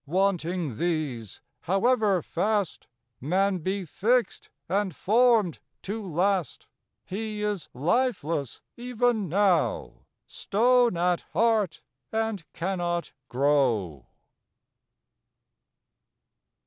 Wanting these, however fast Man be fix'd and form'd to last, He is lifeless even now, Stone at heart, and cannot grow.